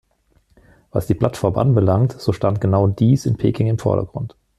Was die Plattform anbelangt, so stand genau dies in Peking im Vordergrund.